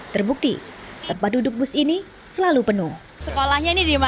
terbukti tempat duduk bus ini selalu penuh